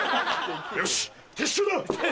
よし撤収だ！